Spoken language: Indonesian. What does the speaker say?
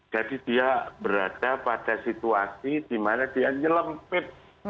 jadi dia berada pada situasi di mana dia nyelempit